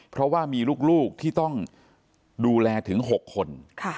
เพราะว่ามีลูกที่ต้องดูแลถึง๖คน